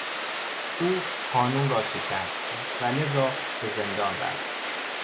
او قانون را شکست و لذا به زندان رفت.